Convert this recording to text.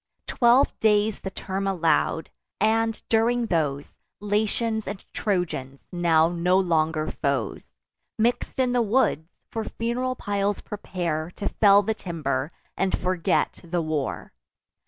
Twelve days the term allow'd: and, during those, Latians and Trojans, now no longer foes, Mix'd in the woods, for fun'ral piles prepare To fell the timber, and forget the war.